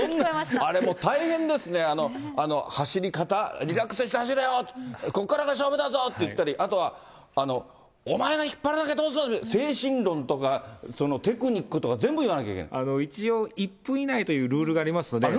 あれ、もう大変ですね、走り方、リラックスして走れよって言ったり、ここからが勝負だぞって言ったり、あとは、お前が引っ張らなきゃどうするって、精神論とか、そのテクニック一応、１分以内というルールがありますので。